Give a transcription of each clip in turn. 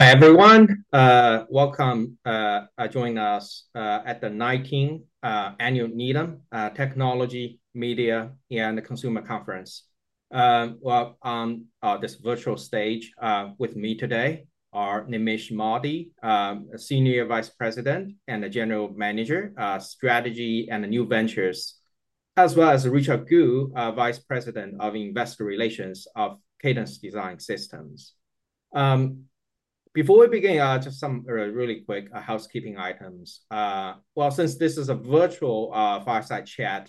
Hi, everyone. Welcome joining us at the nineteenth Annual Needham Technology, Media, and Consumer Conference. Well, on this virtual stage with me today are Nimish Modi, Senior Vice President and the General Manager, Strategy and New Ventures, as well as Richard Gu, Vice President of Investor Relations of Cadence Design Systems. Before we begin, just some really quick housekeeping items. Well, since this is a virtual fireside chat,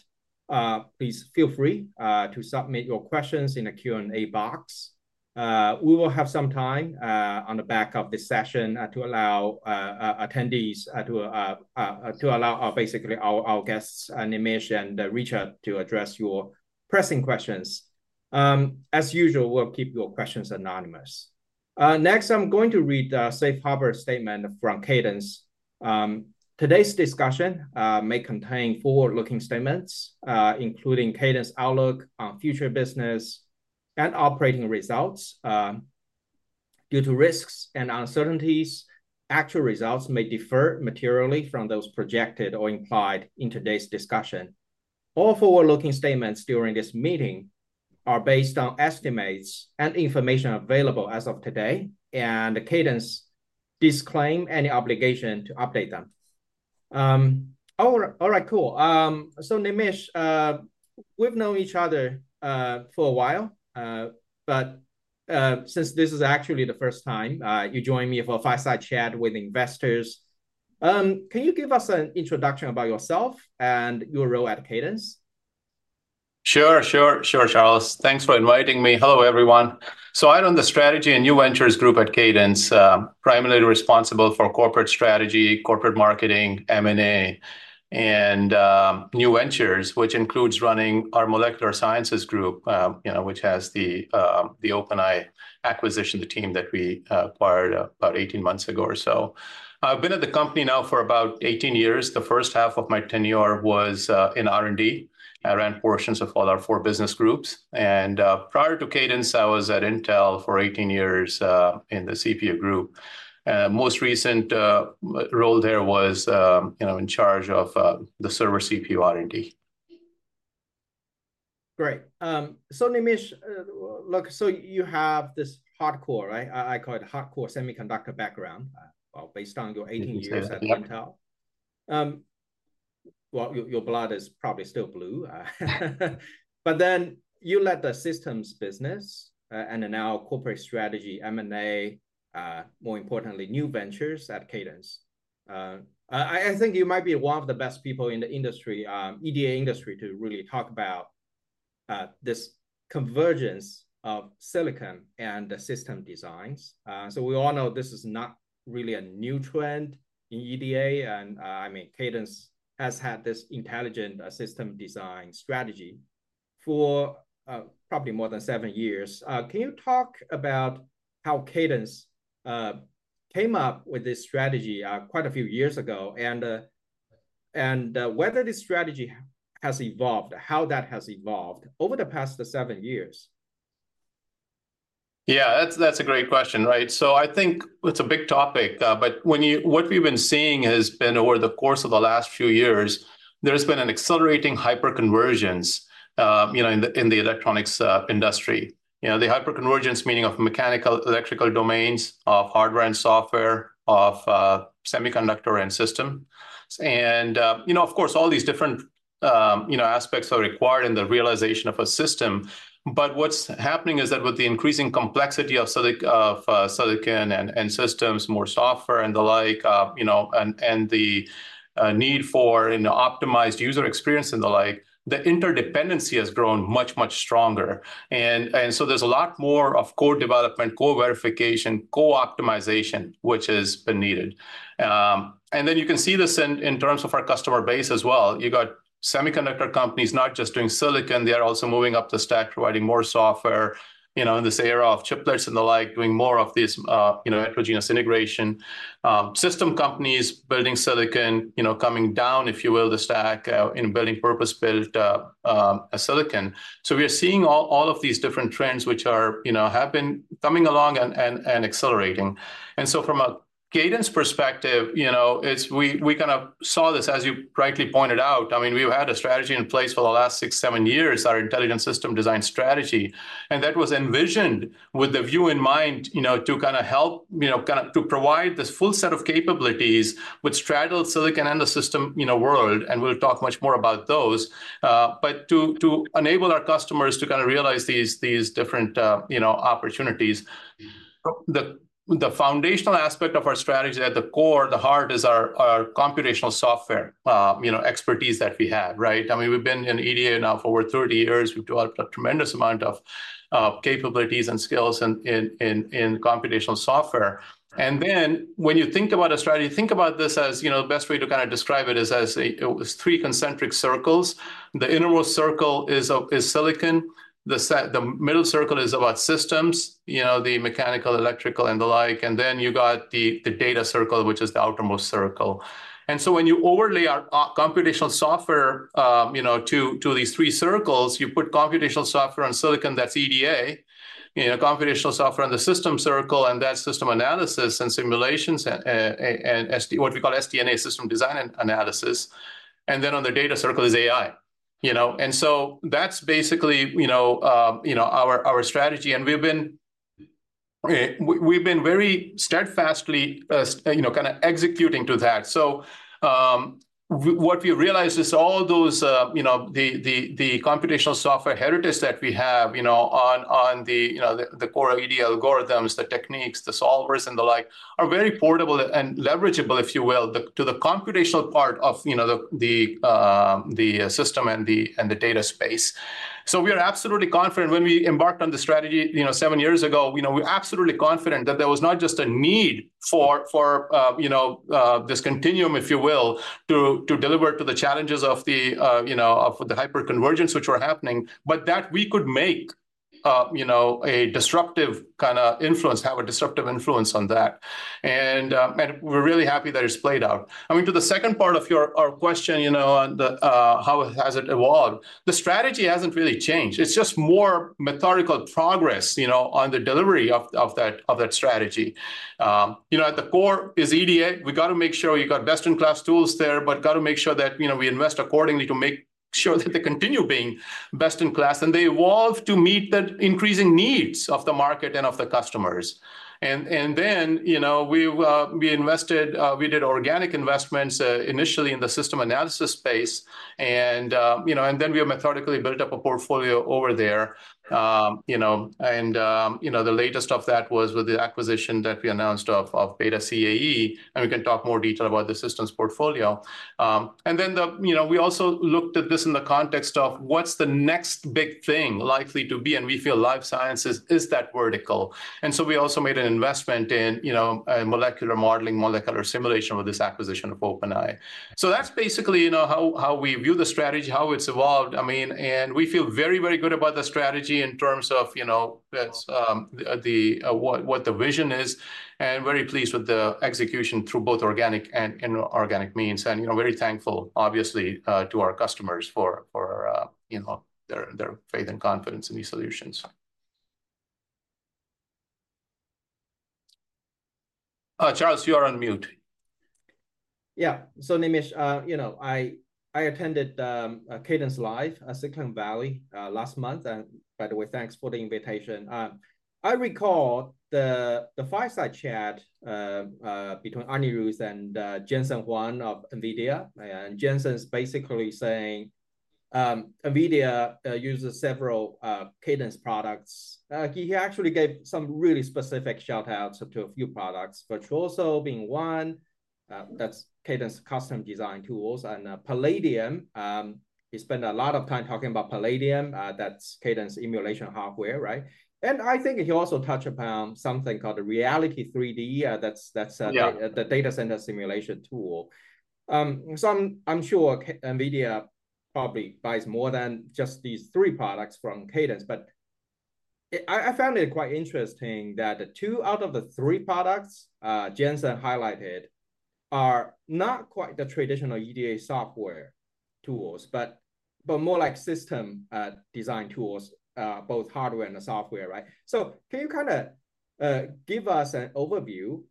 please feel free to submit your questions in the Q&A box. We will have some time on the back of this session to allow attendees to allow our basically our guests Nimish and Richard to address your pressing questions. As usual, we'll keep your questions anonymous. Next, I'm going to read the safe harbor statement from Cadence. Today's discussion may contain forward-looking statements, including Cadence's outlook on future business and operating results. Due to risks and uncertainties, actual results may differ materially from those projected or implied in today's discussion. All forward-looking statements during this meeting are based on estimates and information available as of today, and Cadence disclaims any obligation to update them. All right, cool. So Nimish, we've known each other for a while, but since this is actually the first time you join me for a fireside chat with investors, can you give us an introduction about yourself and your role at Cadence? Sure, sure, sure, Charles. Thanks for inviting me. Hello, everyone. So I run the Strategy and New Ventures group at Cadence, primarily responsible for corporate strategy, corporate marketing, M&A, and, new ventures, which includes running our molecular sciences group, you know, which has the, the OpenEye acquisition, the team that we, acquired about 18 months ago or so. I've been at the company now for about 18 years. The first half of my tenure was, in R&D. I ran portions of all our 4 business groups, and, prior to Cadence, I was at Intel for 18 years, in the CPU group. Most recent, role there was, you know, in charge of, the server CPU R&D. Great. So Nimish, look, so you have this hardcore, right? I call it hardcore semiconductor background, well, based on your 18 years- Yes at Intel. Well, your, your blood is probably still blue, but then you led the systems business, and then now corporate strategy, M&A, more importantly, new ventures at Cadence. I, I think you might be one of the best people in the industry, EDA industry, to really talk about this convergence of silicon and the system designs. So we all know this is not really a new trend in EDA, and I mean, Cadence has had this intelligent, system design strategy for probably more than seven years. Can you talk about how Cadence came up with this strategy quite a few years ago, and whether this strategy has evolved, how that has evolved over the past seven years? Yeah, that's a great question, right? So I think it's a big topic, but what we've been seeing has been over the course of the last few years, there's been an accelerating hyperconvergence, you know, in the electronics industry. You know, the hyperconvergence meaning of mechanical, electrical domains, of hardware and software, of semiconductor and system. And you know, of course, all these different you know, aspects are required in the realization of a system. But what's happening is that with the increasing complexity of silicon and systems, more software and the like, you know, and the need for an optimized user experience and the like, the interdependency has grown much, much stronger. And so there's a lot more of co-development, co-verification, co-optimization, which has been needed. And then you can see this in terms of our customer base as well. You got semiconductor companies not just doing silicon, they are also moving up the stack, providing more software, you know, in this era of chiplets and the like, doing more of this, you know, heterogeneous integration. System companies building silicon, you know, coming down, if you will, the stack in building purpose-built silicon. So we are seeing all of these different trends, which are, you know, have been coming along and accelerating. And so from a Cadence perspective, you know, it's, we kind of saw this, as you rightly pointed out, I mean, we've had a strategy in place for the last 6-7 years, our Intelligent System Design Strategy. And that was envisioned with the view in mind, you know, kind of to kind of help, you know, kind of to provide this full set of capabilities which straddle silicon and the system, you know, world, and we'll talk much more about those. But to enable our customers to kind of realize these, these different, you know, opportunities, the, the foundational aspect of our strategy at the core, the heart, is our, our computational software, you know, expertise that we have, right? I mean, we've been in EDA now for over 30 years. We've developed a tremendous amount of capabilities and skills in computational software. And then, when you think about a strategy, think about this as, you know, the best way to kind of describe it is as a, as 3 concentric circles. The innermost circle is silicon, the middle circle is about systems, you know, the mechanical, electrical, and the like, and then you got the data circle, which is the outermost circle. And so when you overlay our computational software, you know, to these three circles, you put computational software on silicon, that's EDA. You know, computational software on the system circle, and that's system analysis and simulations, and what we call SDNA, system design analysis. And then on the data circle is AI, you know? And so that's basically, you know, our strategy, and we've been very steadfastly, you know, kind of executing to that. So, what we've realized is all those, you know, the computational software heritage that we have, you know, on the core EDA algorithms, the techniques, the solvers, and the like, are very portable and leverageable, if you will, to the computational part of, you know, the system and the data space. So we are absolutely confident when we embarked on the strategy, you know, seven years ago, you know, we're absolutely confident that there was not just a need for this continuum, if you will, to deliver to the challenges of the hyperconvergence which were happening, but that we could make a disruptive kind of influence, have a disruptive influence on that. And, and we're really happy that it's played out. I mean, to the second part of your, our question, you know, on the, how has it evolved? The strategy hasn't really changed. It's just more methodical progress, you know, on the delivery of, of that, of that strategy. You know, at the core is EDA. We've got to make sure you've got best-in-class tools there, but gotta make sure that, you know, we invest accordingly to make sure that they continue being best in class, and they evolve to meet the increasing needs of the market and of the customers. And, and then, you know, we, we invested, we did organic investments, initially in the system analysis space, and, you know, and then we have methodically built up a portfolio over there. You know, and you know, the latest of that was with the acquisition that we announced of BETA CAE, and we can talk more detail about the systems portfolio. And then, you know, we also looked at this in the context of what's the next big thing likely to be, and we feel life sciences is that vertical. And so we also made an investment in, you know, molecular modeling, molecular simulation with this acquisition of OpenEye. So that's basically, you know, how, how we view the strategy, how it's evolved. I mean, and we feel very, very good about the strategy in terms of, you know, that's the vision, and very pleased with the execution through both organic and inorganic means, and, you know, very thankful, obviously, to our customers for, you know, their faith and confidence in these solutions. Charles, you are on mute. Yeah. So Nimish, you know, I attended Cadence Live at Silicon Valley last month. And by the way, thanks for the invitation. I recall the fireside chat between Anirudh and Jensen Huang of NVIDIA. And Jensen is basically saying NVIDIA uses several Cadence products. He actually gave some really specific shout-outs to a few products, Virtuoso being one, that's Cadence custom design tools, and Palladium. He spent a lot of time talking about Palladium. That's Cadence emulation hardware, right? And I think he also touched upon something called the Reality 3D, that's- Yeah... the data center simulation tool. So I'm sure Cadence, NVIDIA probably buys more than just these three products from Cadence, but I found it quite interesting that two out of the three products Jensen highlighted are not quite the traditional EDA software tools, but more like system design tools, both hardware and the software, right? So can you kinda give us an overview,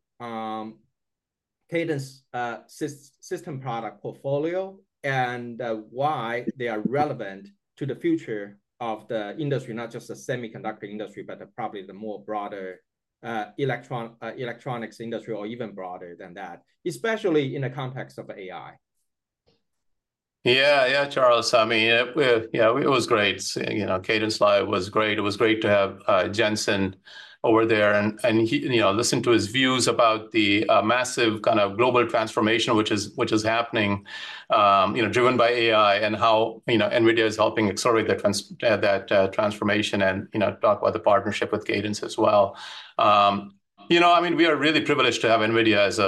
Cadence system product portfolio and why they are relevant to the future of the industry, not just the semiconductor industry, but the probably the more broader electronics industry, or even broader than that, especially in the context of AI? Yeah. Yeah, Charles, I mean, yeah, it was great. You know, Cadence Live was great. It was great to have, Jensen over there, and, you know, listen to his views about the massive kind of global transformation, which is happening, you know, driven by AI, and how, you know, NVIDIA is helping accelerate that transformation and, you know, talk about the partnership with Cadence as well. You know, I mean, we are really privileged to have NVIDIA as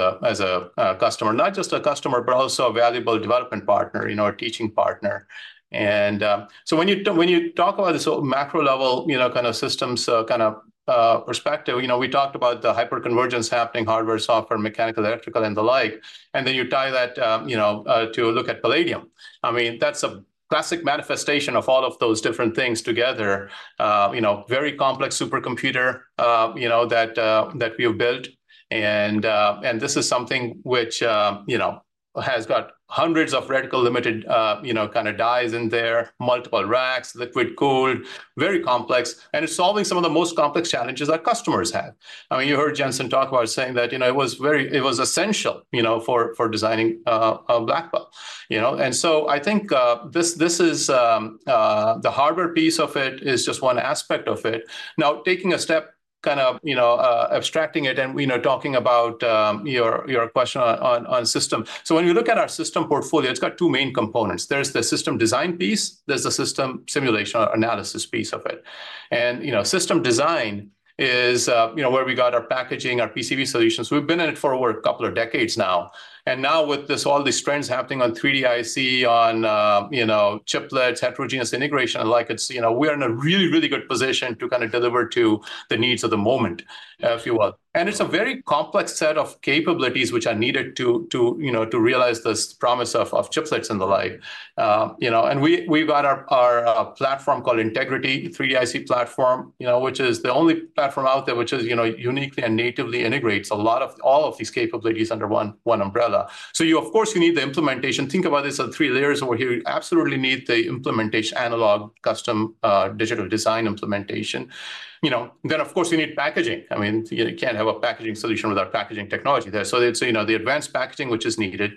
a customer. Not just a customer, but also a valuable development partner, you know, a teaching partner. And, so when you talk about this macro level, you know, kind of systems, kind of perspective, you know, we talked about the hyperconvergence happening, hardware, software, mechanical, electrical, and the like. Then you tie that, you know, to look at Palladium. I mean, that's a classic manifestation of all of those different things together. You know, very complex supercomputer, you know, that, that we have built. And, and this is something which, you know, has got hundreds of reticle-limited, you know, kind of dies in there, multiple racks, liquid cooled, very complex, and it's solving some of the most complex challenges our customers have. I mean, you heard Jensen talk about saying that, you know, it was very- it was essential, you know, for, for designing, a Blackwell. You know? And so I think, this, this is, the hardware piece of it is just one aspect of it. Now, taking a step, kind of, you know, abstracting it and, you know, talking about your question on system. So when you look at our system portfolio, it's got two main components. There's the system design piece, there's the system simulation or analysis piece of it. And, you know, system design is, you know, where we got our packaging, our PCB solutions. We've been in it for over a couple of decades now. And now with this, all these trends happening on 3D IC, on, you know, chiplets, heterogeneous integration, and like, it's, you know, we are in a really, really good position to kind of deliver to the needs of the moment, if you will. And it's a very complex set of capabilities which are needed to you know, to realize this promise of chiplets and the like. You know, and we've got our platform called Integrity 3D-IC Platform, you know, which is the only platform out there, which is, you know, uniquely and natively integrates all of these capabilities under one umbrella. So you, of course, you need the implementation. Think about this as three layers over here. You absolutely need the implementation, analog, custom, digital design implementation. You know, then, of course, you need packaging. I mean, you can't have a packaging solution without packaging technology there. So it's, you know, the advanced packaging, which is needed.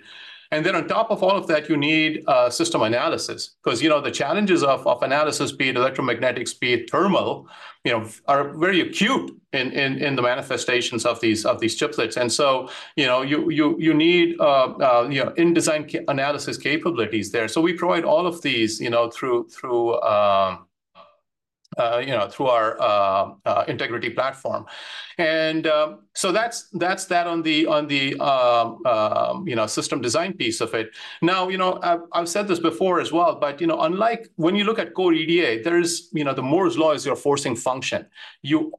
And then on top of all of that, you need system analysis, 'cause, you know, the challenges of analysis, be it electromagnetics, be it thermal, you know, are very acute in the manifestations of these chiplets. You know, you need in-design analysis capabilities there. So we provide all of these, you know, through our Integrity platform. So that's that on the system design piece of it. Now, you know, I've said this before as well, but, you know, unlike when you look at core EDA, there is, you know, the Moore's Law is your forcing function. You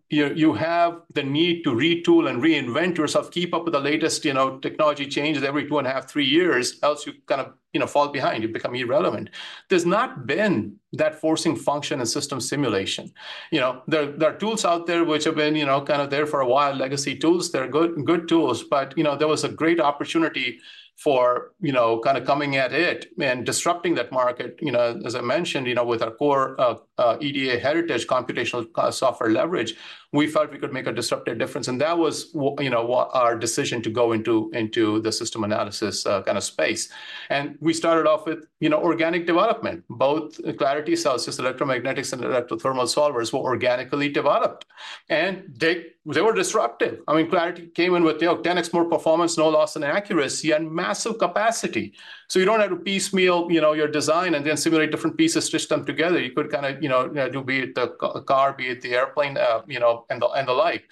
have the need to retool and reinvent yourself, keep up with the latest, you know, technology changes every 2.5-3 years, else you kind of, you know, fall behind, you become irrelevant. There's not been that forcing function in system simulation. You know, there are tools out there which have been, you know, kind of there for a while, legacy tools. They're good, good tools, but, you know, there was a great opportunity for, you know, kind of coming at it and disrupting that market. You know, as I mentioned, you know, with our core EDA heritage computational software leverage, we felt we could make a disruptive difference, and that was you know, what our decision to go into, into the system analysis kind of space. And we started off with, you know, organic development. Both Clarity Celsius electromagnetics and electrothermal solvers were organically developed, and they, they were disruptive. I mean, Clarity came in with, you know, 10x more performance, no loss in accuracy, and massive capacity. So you don't have to piecemeal, you know, your design and then simulate different pieces, stitch them together. You could kind of, you know, do be it the car, be it the airplane, you know, and the like.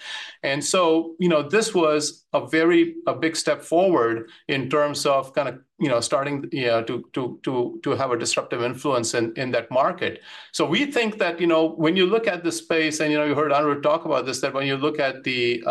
So you know, this was a very big step forward in terms of kind of, you know, starting to have a disruptive influence in that market. So we think that, you know, when you look at the space, and you know, you heard Anirudh talk about this, that when you look at the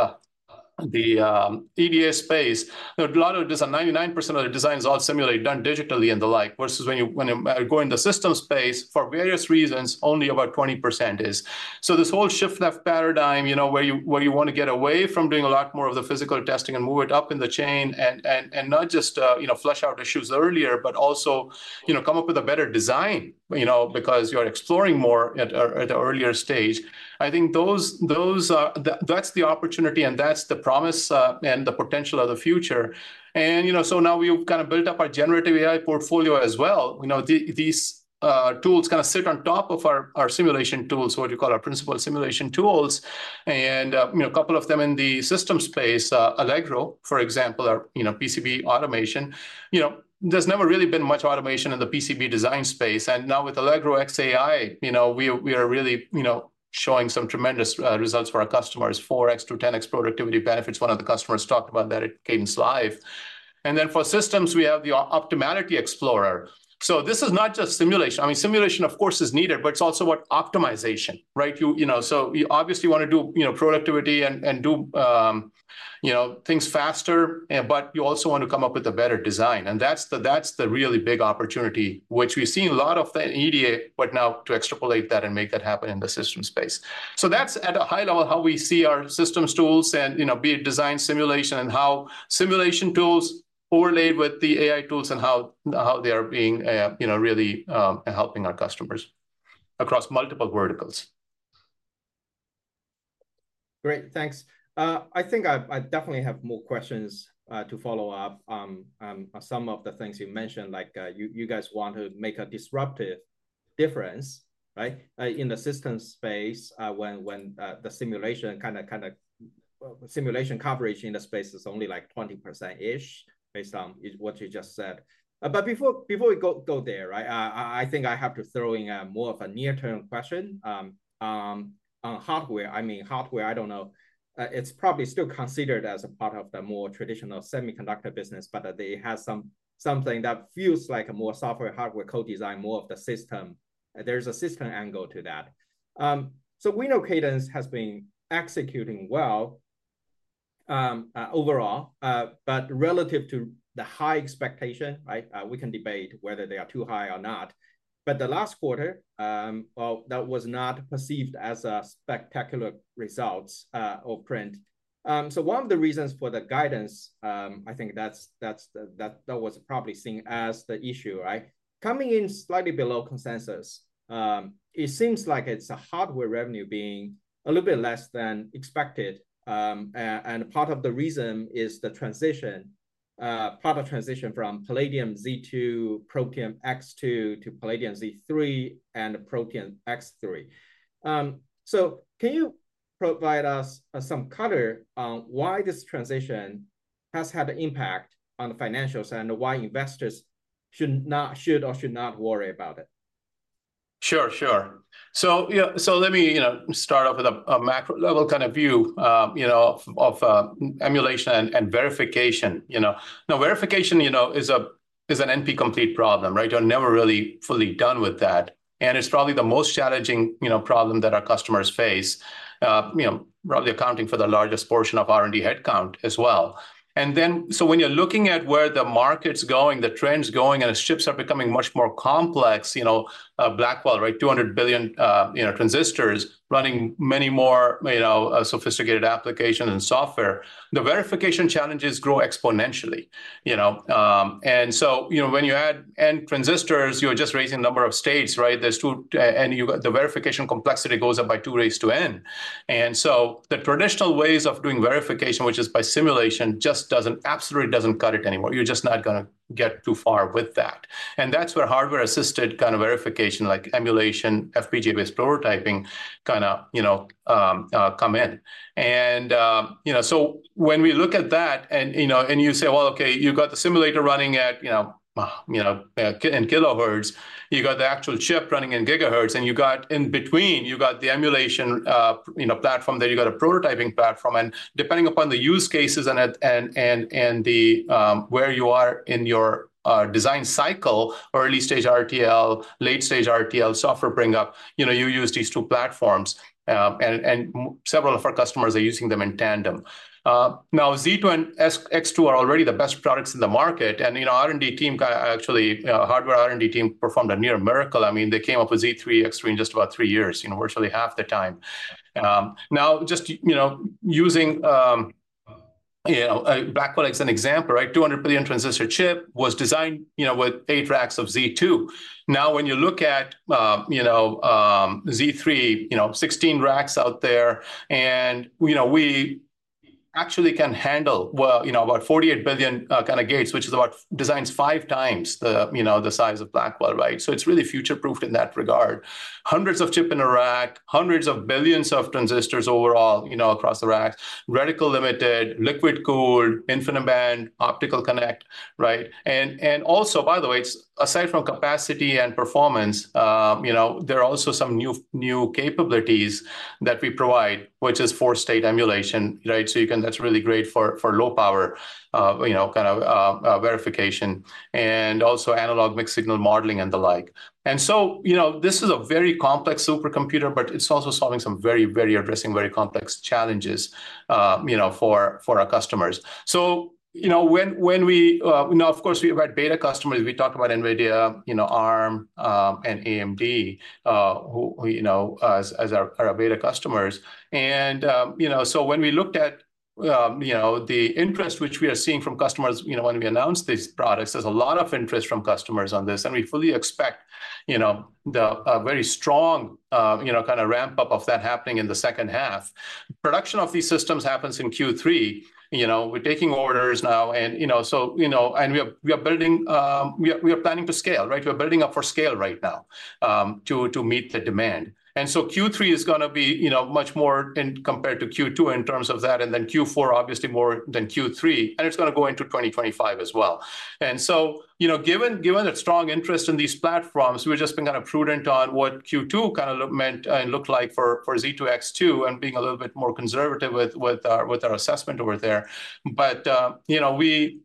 EDA space, a lot of this, 99% of the design is all simulated, done digitally and the like. Versus when you go in the system space, for various reasons, only about 20% is. So this whole shift-left paradigm, you know, where you want to get away from doing a lot more of the physical testing and move it up in the chain, and not just, you know, flush out issues earlier, but also, you know, come up with a better design, you know, because you're exploring more at an earlier stage. I think those are... That's the opportunity, and that's the promise, and the potential of the future. And, you know, so now we've kind of built up our generative AI portfolio as well. You know, these tools kind of sit on top of our simulation tools, so what you call our principal simulation tools, and, you know, a couple of them in the system space, Allegro, for example, are, you know, PCB automation. You know, there's never really been much automation in the PCB design space, and now with Allegro X AI, you know, we are really, you know, showing some tremendous results for our customers, 4x to 10x productivity benefits. One of the customers talked about that at Cadence Live. And then for systems, we have the Optimality Explorer. So this is not just simulation. I mean, simulation, of course, is needed, but it's also about optimization, right? You know, so you obviously want to do, you know, productivity and do, you know, things faster, but you also want to come up with a better design, and that's the really big opportunity, which we've seen a lot of in EDA, but now to extrapolate that and make that happen in the system space. So that's at a high level, how we see our systems tools and, you know, be it design simulation, and how simulation tools overlaid with the AI tools, and how they are being, you know, really helping our customers across multiple verticals. Great, thanks. I think I definitely have more questions to follow up on some of the things you mentioned. Like, you guys want to make a disruptive difference, right, in the system space, when the simulation kind of simulation coverage in the space is only, like, 20%-ish, based on what you just said. But before we go there, right, I think I have to throw in more of a near-term question on hardware. I mean, hardware, I don't know, it's probably still considered as a part of the more traditional semiconductor business, but that they have something that feels like a more software/hardware co-design, more of the system. There's a system angle to that. So we know Cadence has been executing well, overall, but relative to the high expectation, right, we can debate whether they are too high or not. But the last quarter, well, that was not perceived as a spectacular results, or print. So one of the reasons for the guidance, I think that was probably seen as the issue, right? Coming in slightly below consensus, it seems like it's a hardware revenue being a little bit less than expected, and part of the reason is the transition, product transition from Palladium Z2, Protium X2 to Palladium Z3 and Protium X3. So can you provide us, some color on why this transition has had an impact on the financials, and why investors should or should not worry about it? Sure, sure. So, yeah, so let me, you know, start off with a, a macro-level kind of view, you know, of emulation and verification. You know, now, verification, you know, is a, is an NP-complete problem, right? You're never really fully done with that, and it's probably the most challenging, you know, problem that our customers face, you know, probably accounting for the largest portion of R&D headcount as well. And then, so when you're looking at where the market's going, the trends going, and its chips are becoming much more complex, you know, Blackwell, right, 200 billion, you know, transistors running many more, you know, sophisticated application and software, the verification challenges grow exponentially, you know? And so, you know, when you add N transistors, you're just raising the number of states, right? There's two, and you got, the verification complexity goes up by 2 raised to N. And so the traditional ways of doing verification, which is by simulation, just doesn't, absolutely doesn't cut it anymore. You're just not gonna get too far with that. And that's where hardware-assisted kind of verification, like emulation, FPGA-based prototyping, kind of, you know, come in. You know, so when we look at that and, you know, and you say, "Well, okay, you've got the simulator running at, you know, you know, in kilohertz, you got the actual chip running in gigahertz, and you got in between, you got the emulation, you know, platform there, you got a prototyping platform." Depending upon the use cases and the where you are in your design cycle, early stage RTL, late stage RTL, software bring up, you know, you use these two platforms, and several of our customers are using them in tandem. Now Z2 and X2 are already the best products in the market, and, you know, R&D team kind of actually, you know, hardware R&D team performed a near miracle. I mean, they came up with Z3, X3 in just about three years, you know, virtually half the time. Now just, you know, using Blackwell as an example, right? 200 billion transistor chip was designed, you know, with eight racks of Z2. Now, when you look at, you know, Z3, you know, 16 racks out there, and, you know, we actually can handle, well, you know, about 48 billion, kind of gates, which is about designs five times the, you know, the size of Blackwell, right? So it's really future-proofed in that regard. Hundreds of chips in a rack, hundreds of billions of transistors overall, you know, across the rack, reticle limited, liquid cooled, InfiniBand, optical connect, right? And also, by the way, it's aside from capacity and performance, you know, there are also some new capabilities that we provide, which is four-state emulation, right? So that's really great for low power, you know, kind of verification, and also analog mixed signal modeling and the like. And so, you know, this is a very complex supercomputer, but it's also solving some very addressing very complex challenges, you know, for our customers. So, you know, Now, of course, we've had beta customers. We talked about NVIDIA, you know, Arm, and AMD, who you know as our beta customers. You know, so when we looked at, you know, the interest which we are seeing from customers, you know, when we announced these products, there's a lot of interest from customers on this, and we fully expect, you know, the, a very strong, you know, kind of ramp-up of that happening in the second half. Production of these systems happens in Q3. You know, we're taking orders now, and, you know, so, you know, and we are building, we are planning to scale, right? We are building up for scale right now, to meet the demand. And so Q3 is gonna be, you know, much more in compared to Q2 in terms of that, and then Q4, obviously more than Q3, and it's gonna go into 2025 as well. And so, you know, given the strong interest in these platforms, we've just been kind of prudent on what Q2 kind of meant, looked like for Z2 X2, and being a little bit more conservative with our assessment over there. But, you know, we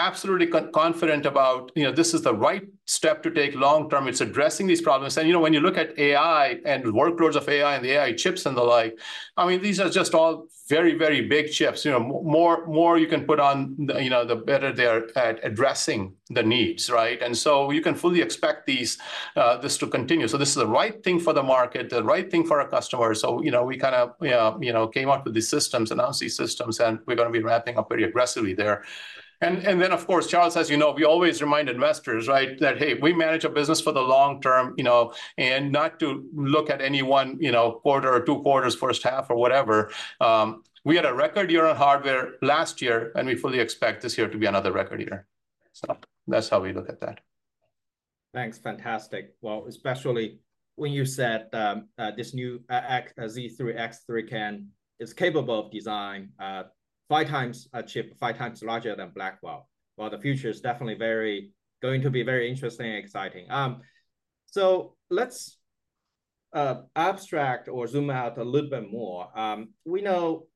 are absolutely confident about, you know, this is the right step to take long term. It's addressing these problems. And, you know, when you look at AI and the workloads of AI and the AI chips and the like, I mean, these are just all very, very big chips. You know, more, more you can put on, the, you know, the better they are at addressing the needs, right? And so you can fully expect these, this to continue. So this is the right thing for the market, the right thing for our customers. So, you know, we kind of, you know, came up with these systems, announced these systems, and we're gonna be ramping up pretty aggressively there. And, and then, of course, Charles, as you know, we always remind investors, right, that, "Hey, we manage our business for the long term," you know, and not to look at any one, you know, quarter or two quarters, first half, or whatever. We had a record year on hardware last year, and we fully expect this year to be another record year. So that's how we look at that. Thanks. Fantastic. Well, especially when you said, this new Palladium Z3, Protium X3 is capable of design five times a chip, five times larger than Blackwell. Well, the future is definitely very going to be very interesting and exciting. So let's abstract or zoom out a little bit more. We know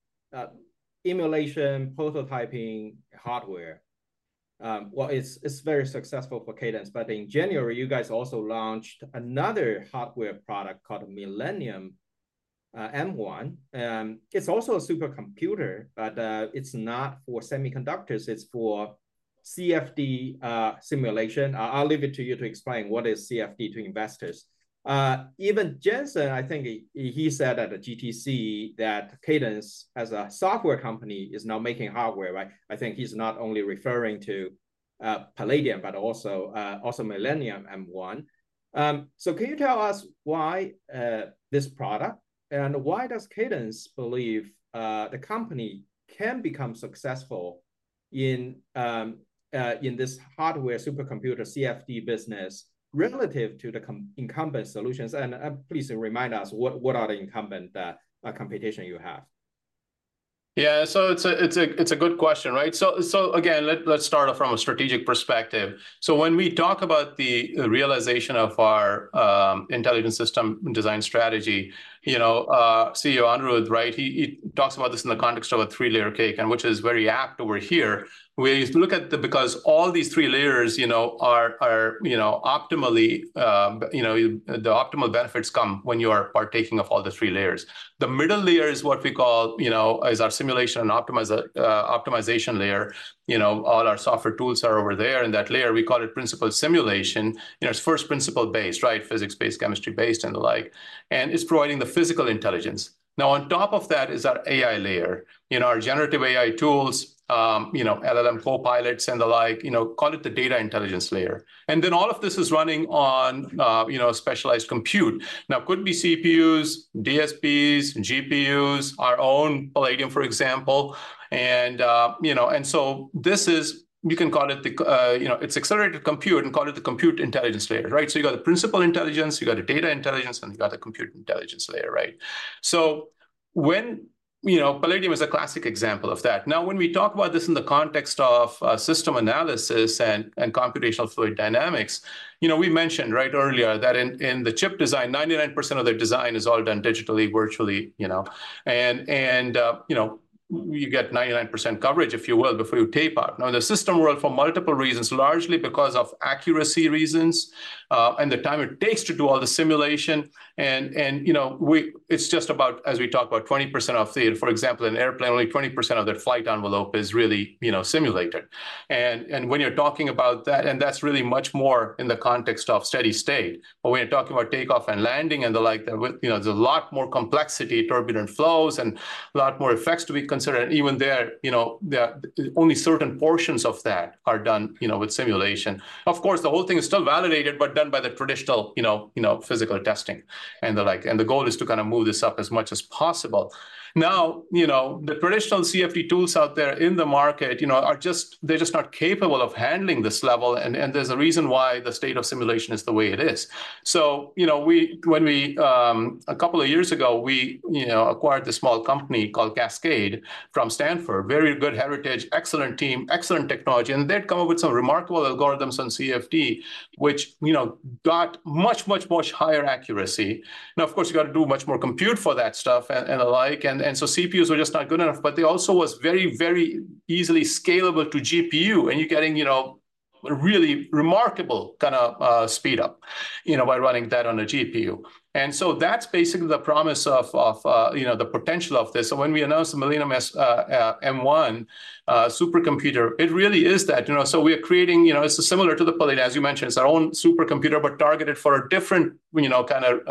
emulation, prototyping hardware, well, it's very successful for Cadence, but in January, you guys also launched another hardware product called Millennium M1. It's also a supercomputer, but it's not for semiconductors, it's for CFD simulation. I'll leave it to you to explain what is CFD to investors. Even Jensen, I think he said at the GTC that Cadence, as a software company, is now making hardware, right? I think he's not only referring to Palladium, but also Millennium M1. So can you tell us why this product, and why does Cadence believe the company can become successful in this hardware supercomputer CFD business relative to the incumbent solutions? And please remind us, what are the incumbent competitors you have? Yeah, so it's a good question, right? So again, let's start off from a strategic perspective. So when we talk about the realization of our intelligence system design strategy, you know, CEO Anirudh, right, he talks about this in the context of a three-layer cake, which is very apt over here. Because all these three layers, you know, are optimally, you know, the optimal benefits come when you are partaking of all the three layers. The middle layer is what we call, you know, is our simulation and optimization layer. You know, all our software tools are over there in that layer. We call it principles simulation. You know, it's first principles-based, right? Physics-based, chemistry-based, and the like, and it's providing the physical intelligence. Now, on top of that is our AI layer. You know, our generative AI tools, you know, LLM copilots and the like, you know, call it the data intelligence layer. And then all of this is running on, you know, specialized compute. Now, could be CPUs, DSPs, GPUs, our own Palladium, for example. And, you know, and so this is, you can call it the, you know, it's accelerated compute, and call it the compute intelligence layer, right? So you got the principle intelligence, you got the data intelligence, and you got the compute intelligence layer, right? So you know, Palladium is a classic example of that. Now, when we talk about this in the context of system analysis and computational fluid dynamics, you know, we mentioned, right, earlier, that in the chip design, 99% of the design is all done digitally, virtually, you know? And you get 99% coverage, if you will, before you tape out. Now, the system world, for multiple reasons, largely because of accuracy reasons and the time it takes to do all the simulation, it's just about, as we talk about 20% of the, for example, an airplane, only 20% of their flight envelope is really, you know, simulated. And when you're talking about that, and that's really much more in the context of steady state. But when you're talking about takeoff and landing, and the like, there with, you know, there's a lot more complexity, turbulent flows, and a lot more effects to be considered. And even there, you know, there are only certain portions of that are done, you know, with simulation. Of course, the whole thing is still validated, but done by the traditional, you know, you know, physical testing and the like. And the goal is to kind of move this up as much as possible. Now, you know, the traditional CFD tools out there in the market, you know, are just- they're just not capable of handling this level, and, and there's a reason why the state of simulation is the way it is. So, you know, we, when we, a couple of years ago, we, you know, acquired this small company called Cascade from Stanford. Very good heritage, excellent team, excellent technology, and they'd come up with some remarkable algorithms on CFD, which, you know, got much, much, much higher accuracy. Now, of course, you've got to do much more compute for that stuff and, and the like, and, and so CPUs were just not good enough, but they also was very, very easily scalable to GPU, and you're getting, you know, a really remarkable kind of speed-up, you know, by running that on a GPU. And so that's basically the promise of, of, you know, the potential of this. So when we announced the Millennium M1 supercomputer, it really is that. You know, so we're creating, you know, it's similar to the Palladium, as you mentioned, it's our own supercomputer, but targeted for a different, you know, kind of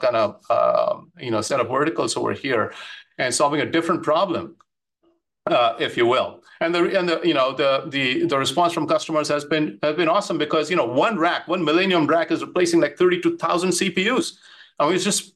kind of, you know, set of verticals over here, and solving a different problem, if you will. And the response from customers has been awesome because, you know, one rack, one Millennium rack, is replacing, like, 32,000 CPUs. I mean, it's just...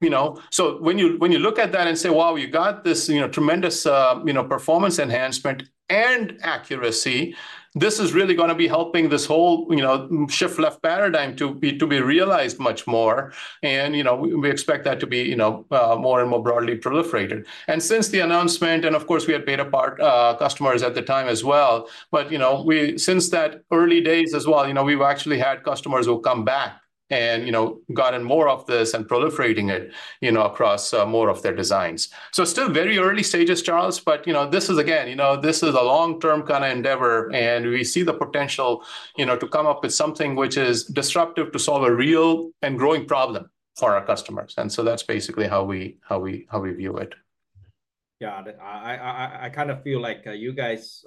You know, so when you, when you look at that and say, "Wow, you got this, you know, tremendous, you know, performance enhancement and accuracy," this is really going to be helping this whole, you know, shift left paradigm to be realized much more. And, you know, we expect that to be, you know, more and more broadly proliferated. Since the announcement, and of course, we had beta partners, customers at the time as well, but, you know, we, since those early days as well, you know, we've actually had customers who come back and, you know, gotten more of this and proliferating it, you know, across, more of their designs. So still very early stages, Charles, but, you know, this is again, you know, this is a long-term kind of endeavor, and we see the potential, you know, to come up with something which is disruptive to solve a real and growing problem for our customers. And so that's basically how we, how we, how we view it. Yeah, I kind of feel like you guys,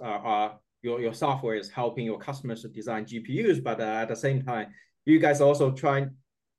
your software is helping your customers to design GPUs, but at the same time, you guys are also trying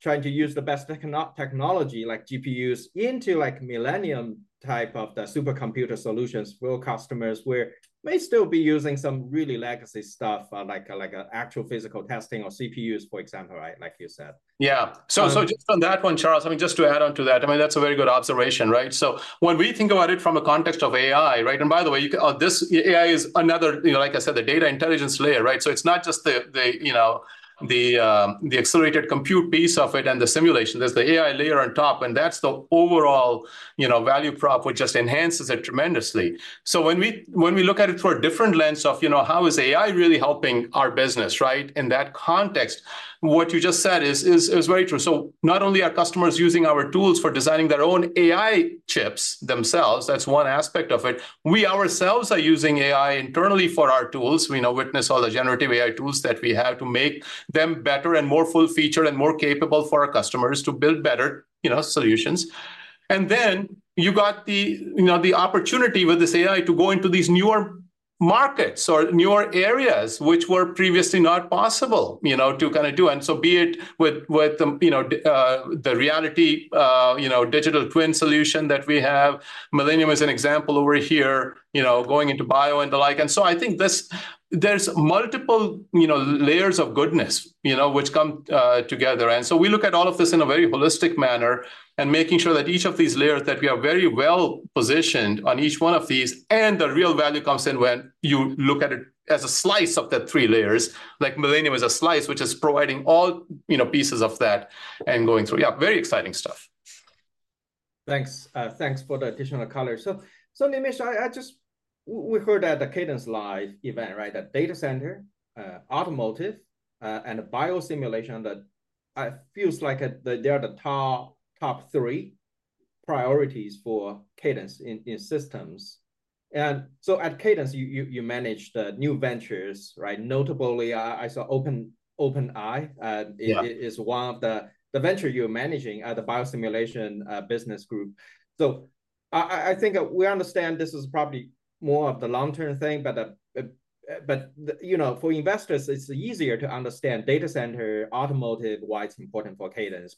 to use the best technology, like GPUs, into like Millennium type of the supercomputer solutions for customers where may still be using some really legacy stuff, like a actual physical testing or CPUs, for example, right? Like you said. Yeah. Um- So, so just on that one, Charles, I mean, just to add on to that, I mean, that's a very good observation, right? So when we think about it from a context of AI, right, and by the way, you can, this AI is another, you know, like I said, the data intelligence layer, right? So it's not just the, the, you know, the, the accelerated compute piece of it and the simulation. There's the AI layer on top, and that's the overall, you know, value prop, which just enhances it tremendously. So when we look at it through a different lens of, you know, how is AI really helping our business, right? In that context, what you just said is very true. So not only are customers using our tools for designing their own AI chips themselves, that's one aspect of it, we ourselves are using AI internally for our tools. We now witness all the generative AI tools that we have to make them better and more full-featured and more capable for our customers to build better, you know, solutions. And then you got the, you know, the opportunity with this AI to go into these newer markets or newer areas, which were previously not possible, you know, to kind of do. And so be it with, with the, you know, the Reality, you know, digital twin solution that we have. Millennium is an example over here, you know, going into bio and the like. And so I think this, there's multiple, you know, layers of goodness, you know, which come together. And so we look at all of this in a very holistic manner, and making sure that each of these layers, that we are very well positioned on each one of these, and the real value comes in when you look at it as a slice of the three layers. Like Millennium is a slice which is providing all, you know, pieces of that and going through. Yeah, very exciting stuff. Thanks. Thanks for the additional color. So, Nimish, I just—we heard at the CadenceLIVE event, right? That data center, automotive, and bio simulation, that feels like they are the top three priorities for Cadence in systems. And so at Cadence, you manage the new ventures, right? Notably, I saw OpenEye. Yeah... is one of the, the venture you're managing, the biosimulation business group. So I think we understand this is probably more of the long-term thing, but you know, for investors, it's easier to understand data center, automotive, why it's important for Cadence.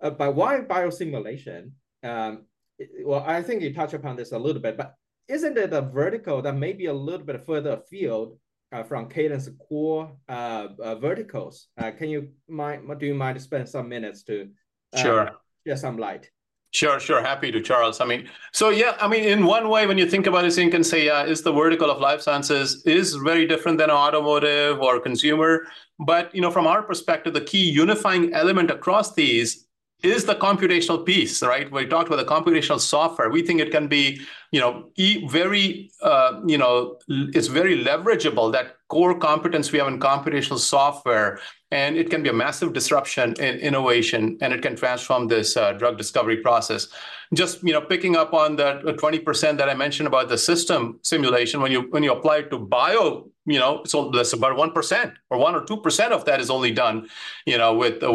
But why biosimulation? Well, I think you touched upon this a little bit, but isn't it a vertical that may be a little bit further afield from Cadence core verticals? Can you mind... Do you mind spend some minutes to, Sure... shed some light? Sure, sure. Happy to, Charles. I mean, so yeah, I mean, in one way, when you think about this, you can say, it's the vertical of life sciences is very different than automotive or consumer. But, you know, from our perspective, the key unifying element across these is the computational piece, right? We talked about the computational software. We think it can be, you know, very, it's very leverageable, that core competence we have in computational software, and it can be a massive disruption in innovation, and it can transform this, drug discovery process. Just, you know, picking up on the 20% that I mentioned about the system simulation, when you apply it to bio, you know, so that's about 1%, or 1 or 2% of that is only done, you know, with the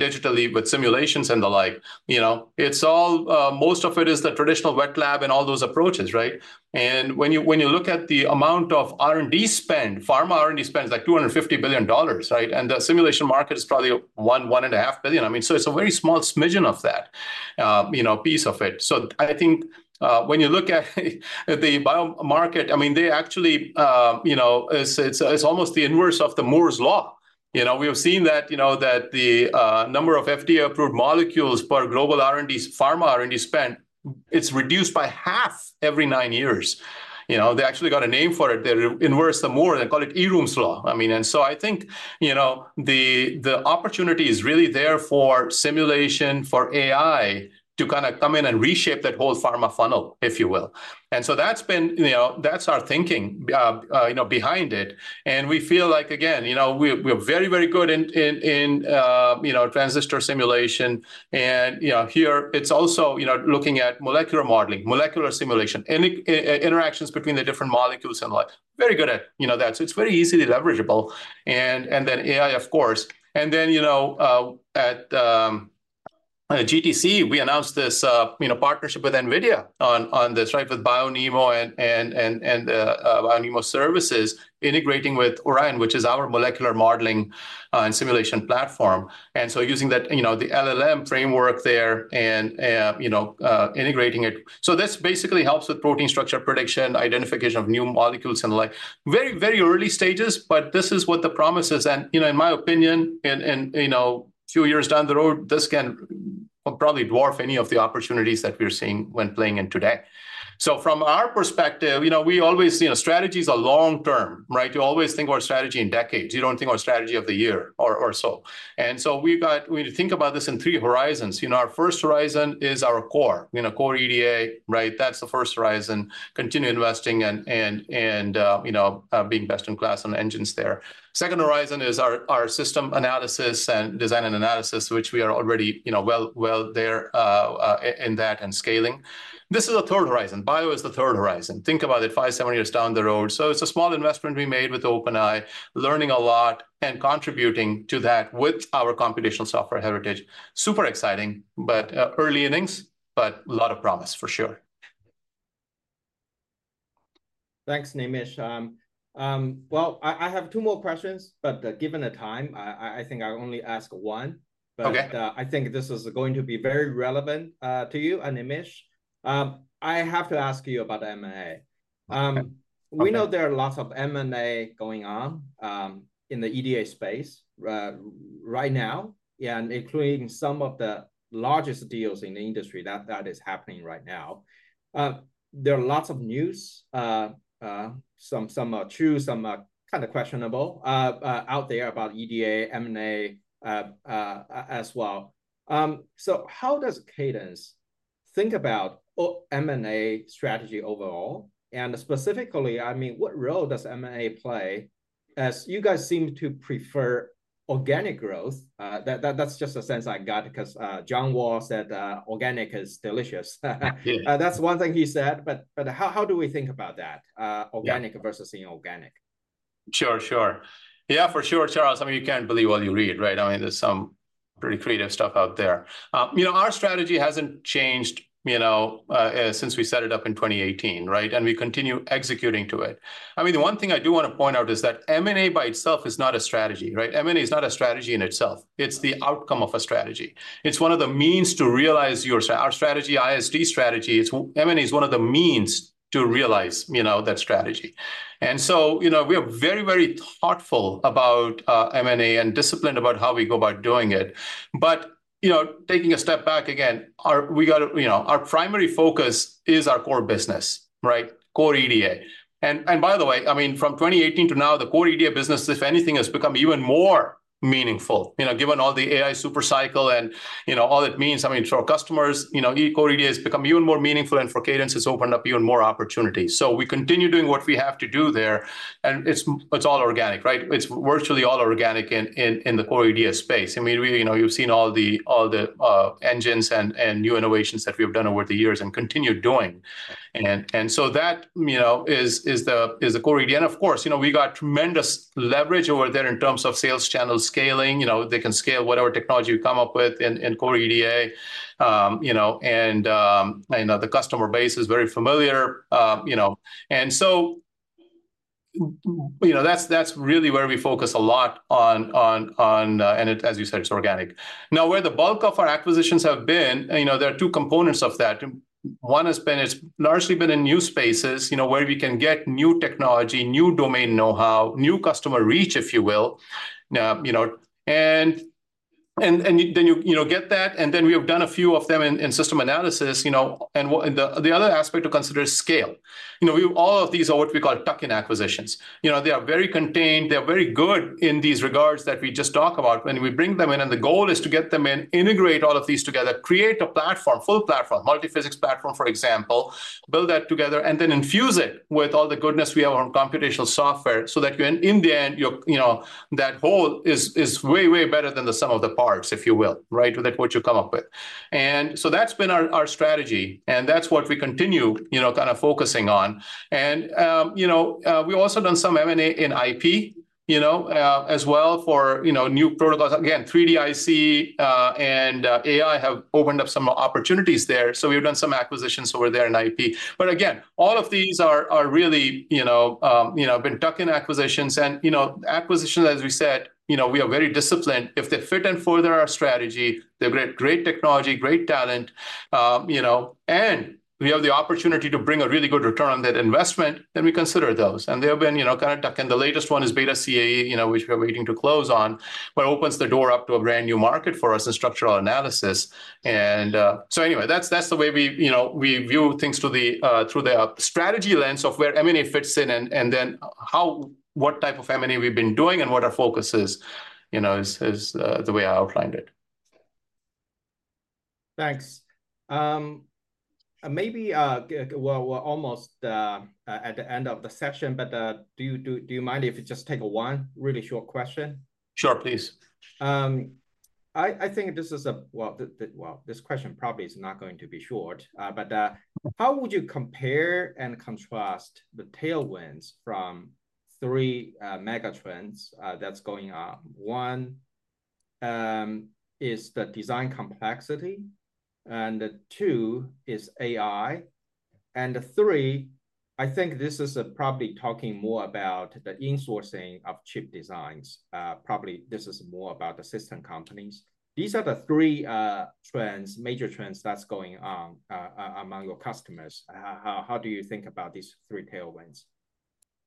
digitally, with simulations and the like. You know, it's all, most of it is the traditional wet lab and all those approaches, right? And when you look at the amount of R&D spend, pharma R&D spends, like, $250 billion, right? And the simulation market is probably $1-$1.5 billion. I mean, so it's a very small smidgen of that, you know, piece of it. So I think, when you look at the bio market, I mean, they actually, you know, it's, it's, it's almost the inverse of Moore's Law. You know, we have seen that, you know, that the number of FDA-approved molecules per global R&D, pharma R&D spend, it's reduced by half every nine years. You know, they actually got a name for it. The re- inverse the Moore, they call it Eroom's law. I mean, and so I think, you know, the, the opportunity is really there for simulation, for AI, to kind of come in and reshape that whole pharma funnel, if you will. And so that's been, you know, that's our thinking, you know, behind it. And we feel like, again, you know, we're, we're very, very good in, in, in, you know, transistor simulation. And, you know, here, it's also, you know, looking at molecular modeling, molecular simulation, any interactions between the different molecules and like. Very good at, you know, that, so it's very easily leverageable. And then AI, of course. And then, you know, at GTC, we announced this, you know, partnership with NVIDIA on this, right, with BioNeMo and BioNeMo services, integrating with Orion, which is our molecular modeling and simulation platform. And so using that, you know, the LLM framework there, and, you know, integrating it. So this basically helps with protein structure prediction, identification of new molecules, and the like. Very, very early stages, but this is what the promise is. And, you know, in my opinion, you know, few years down the road, this can probably dwarf any of the opportunities that we're seeing when playing in today. So from our perspective, you know, we always, you know, strategy's a long term, right? You always think about strategy in decades. You don't think about strategy of the year or so. So we think about this in three horizons. You know, our first horizon is our core, you know, core EDA, right? That's the first horizon, continue investing and being best-in-class on engines there. Second horizon is our system analysis and design and analysis, which we are already, you know, well there in that and scaling. This is the third horizon. Bio is the third horizon. Think about it 5-7 years down the road. So it's a small investment we made with OpenAI, learning a lot and contributing to that with our computational software heritage. Super exciting, but early innings, but a lot of promise for sure. Thanks, Nimish. Well, I have two more questions, but, given the time, I think I'll only ask one. Okay. But, I think this is going to be very relevant to you, and Nimish, I have to ask you about M&A. Okay. Um- Okay... we know there are lots of M&A going on in the EDA space right now, yeah, and including some of the largest deals in the industry that is happening right now. There are lots of news, some are true, some are kinda questionable out there about EDA, M&A as well. So how does Cadence think about our M&A strategy overall? And specifically, I mean, what role does M&A play, as you guys seem to prefer organic growth? That's just a sense I got, 'cause John Wall said, "Organic is delicious. Yeah. That's one thing he said, but how do we think about that? Yeah... organic versus inorganic? Sure, sure. Yeah, for sure, Charles. I mean, you can't believe all you read, right? I mean, there's some pretty creative stuff out there. You know, our strategy hasn't changed, you know, since we set it up in 2018, right? And we continue executing to it. I mean, the one thing I do wanna point out is that M&A by itself is not a strategy, right? M&A is not a strategy in itself. It's the outcome of a strategy. It's one of the means to realize our strategy, ISD strategy. M&A is one of the means to realize, you know, that strategy. And so, you know, we are very, very thoughtful about M&A, and disciplined about how we go about doing it. But, you know, taking a step back again, our... We gotta, you know, our primary focus is our core business, right? Core EDA. And, and by the way, I mean, from 2018 to now, the core EDA business, if anything, has become even more meaningful, you know, given all the AI super cycle and, you know, all it means. I mean, for our customers, you know, core EDA has become even more meaningful, and for Cadence, it's opened up even more opportunities. So we continue doing what we have to do there, and it's all organic, right? It's virtually all organic in the core EDA space. I mean, we, you know, you've seen all the engines and new innovations that we've done over the years and continue doing. And so that, you know, is the core EDA. And of course, you know, we got tremendous leverage over there in terms of sales channel scaling. You know, they can scale whatever technology we come up with in core EDA. You know, and you know, the customer base is very familiar, you know. And so, you know, that's really where we focus a lot on, and it, as you said, it's organic. Now, where the bulk of our acquisitions have been, and, you know, there are two components of that. One has been, it's largely been in new spaces, you know, where we can get new technology, new domain knowhow, new customer reach, if you will. You know, and-... And then you know get that, and then we have done a few of them in system analysis, you know, and the other aspect to consider is scale. You know, we all of these are what we call tuck-in acquisitions. You know, they are very contained, they are very good in these regards that we just talk about when we bring them in, and the goal is to get them in, integrate all of these together, create a platform, full platform, multi-physics platform, for example, build that together, and then infuse it with all the goodness we have on computational software so that you in the end, you know, that whole is way, way better than the sum of the parts, if you will, right? With that what you come up with. And so that's been our, our strategy, and that's what we continue, you know, kind of focusing on. And, you know, we've also done some M&A in IP, you know, as well, for, you know, new protocols. Again, 3D IC, and, AI have opened up some opportunities there, so we've done some acquisitions over there in IP. But again, all of these are, are really, you know, you know, been tuck-in acquisitions. And, you know, acquisitions, as we said, you know, we are very disciplined. If they fit and further our strategy, they've great, great technology, great talent, you know, and we have the opportunity to bring a really good return on that investment, then we consider those. And they have been, you know, kind of tuck-in. The latest one is BETA CAE, you know, which we're waiting to close on, but opens the door up to a brand-new market for us in structural analysis. And, so anyway, that's, that's the way we, you know, we view things through the, through the, strategy lens of where M&A fits in, and, and then what type of M&A we've been doing and what our focus is, you know, is, is, the way I outlined it. Thanks. And maybe, well, we're almost at the end of the session, but do you mind if you just take one really short question? Sure, please. I think this question probably is not going to be short, but how would you compare and contrast the tailwinds from three mega trends that's going on? One is the design complexity, and two is AI, and three, I think this is probably talking more about the insourcing of chip designs. Probably this is more about the system companies. These are the three trends, major trends that's going on among your customers. How do you think about these three tailwinds?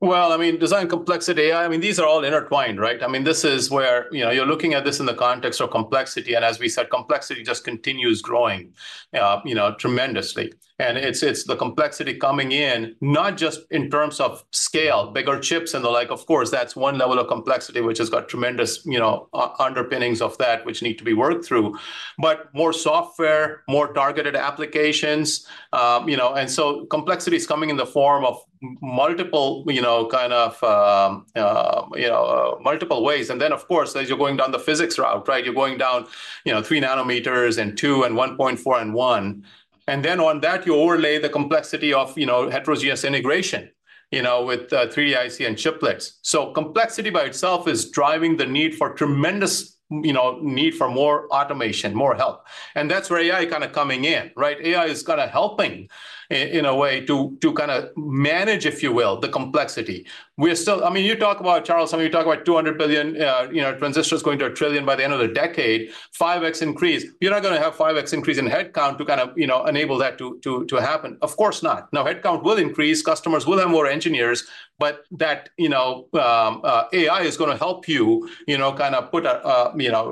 Well, I mean, design complexity, I mean, these are all intertwined, right? I mean, this is where, you know, you're looking at this in the context of complexity, and as we said, complexity just continues growing, you know, tremendously. And it's, it's the complexity coming in, not just in terms of scale, bigger chips and the like. Of course, that's one level of complexity, which has got tremendous, you know, underpinnings of that which need to be worked through, but more software, more targeted applications. You know, and so complexity is coming in the form of multiple, you know, kind of, multiple ways. And then, of course, as you're going down the physics route, right, you're going down, you know, 3 nanometers, and 2, and 1.4, and 1. Then on that, you overlay the complexity of, you know, heterogeneous integration, you know, with 3D-IC and chiplets. So complexity by itself is driving the need for tremendous, you know, need for more automation, more help, and that's where AI kind of coming in, right? AI is kind of helping in a way, to kind of manage, if you will, the complexity. We are still. I mean, you talk about, Charles, I mean, you talk about 200 billion, you know, transistors going to 1 trillion by the end of the decade, 5x increase. You're not gonna have 5x increase in headcount to kind of, you know, enable that to happen. Of course not. Now, headcount will increase, customers will have more engineers, but that, you know, AI is gonna help you, you know,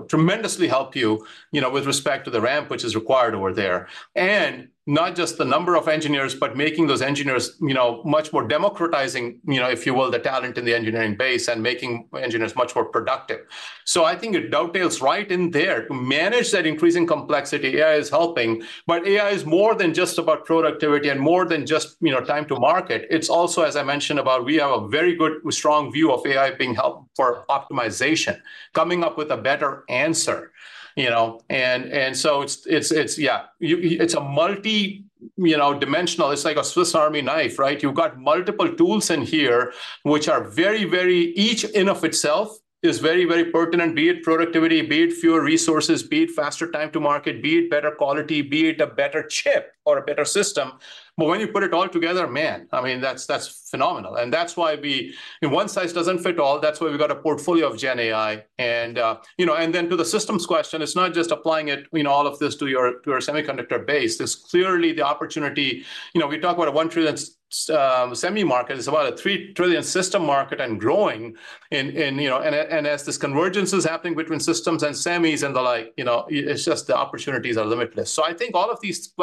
tremendously help you, you know, with respect to the ramp, which is required over there. And not just the number of engineers, but making those engineers, you know, much more democratizing, you know, if you will, the talent in the engineering base and making engineers much more productive. So I think it dovetails right in there. To manage that increasing complexity, AI is helping, but AI is more than just about productivity and more than just, you know, time to market. It's also, as I mentioned about, we have a very good strong view of AI being help for optimization, coming up with a better answer, you know? And so it's, yeah, it's a multi, you know, dimensional. It's like a Swiss Army knife, right? You've got multiple tools in here, which are very, very, each in and of itself is very, very pertinent, be it productivity, be it fewer resources, be it faster time to market, be it better quality, be it a better chip or a better system. But when you put it all together, man, I mean, that's phenomenal. And that's why we- one size doesn't fit all, that's why we've got a portfolio of GenAI. And, you know, and then to the systems question, it's not just applying it, you know, all of this to your, to your semiconductor base. There's clearly the opportunity, you know, we talk about a $1 trillion semi market, it's about a $3 trillion system market and growing, and as this convergence is happening between systems and semis and the like, you know, it's just the opportunities are limitless. So I think all of these,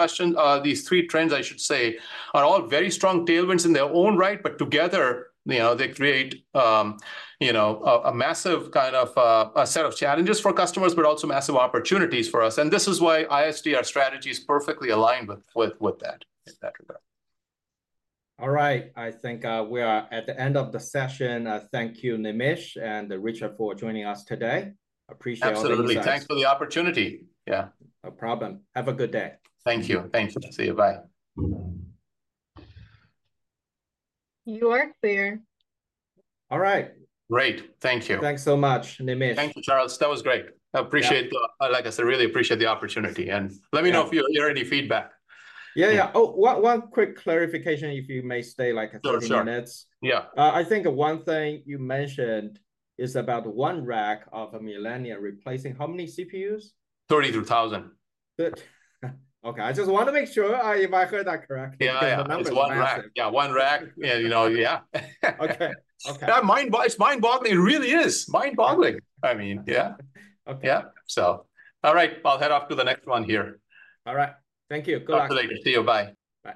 these three trends, I should say, are all very strong tailwinds in their own right, but together, you know, they create a massive kind of a set of challenges for customers, but also massive opportunities for us. And this is why ISD, our strategy, is perfectly aligned with that, etc. All right, I think, we are at the end of the session. Thank you, Nimish and Richard, for joining us today. Appreciate all of you guys. Absolutely. Thanks for the opportunity. Yeah. No problem. Have a good day. Thank you. Thank you. See you. Bye. You are clear. All right. Great. Thank you. Thanks so much, Nimish. Thank you, Charles. That was great. Yeah. I appreciate the... like I said, really appreciate the opportunity, and- Yeah... let me know if you hear any feedback. Yeah, yeah. Oh, one quick clarification, if you may, stay, like, a couple minutes. For sure. Yeah. I think one thing you mentioned is about one rack of a Millennium replacing how many CPUs? Thirty-two thousand. Good. Okay, I just wanna make sure, if I heard that correctly. Yeah. The number is massive. It's one rack. Yeah, one rack. Yeah, you know, yeah. Okay. Okay. Yeah, it's mind-boggling. It really is mind-boggling. I mean, yeah. Okay. Yeah. So all right, I'll head off to the next one here. All right. Thank you. Good luck. Talk to you later. See you. Bye.